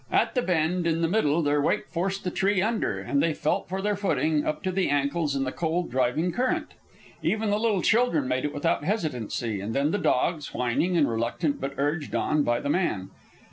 At the bend in the middle their weight forced the tree under, and they felt for their footing, up to the ankles in the cold, driving torrent. Even the little children made it without hesitancy, and then the dogs whining and reluctant but urged on by the man.